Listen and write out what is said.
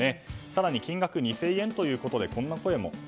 更に金額が２０００円ということでこんな声も。